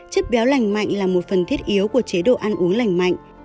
chất béo lành mạnh là một phần thiết yếu của chế độ ăn uống lành mạnh